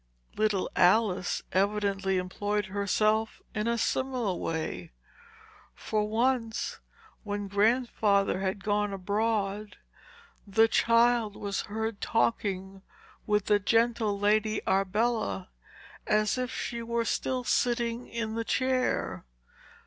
Little Alice evidently employed herself in a similar way; for once, when Grandfather had gone abroad, the child was heard talking with the gentle Lady Arbella, as if she were still sitting in the chair.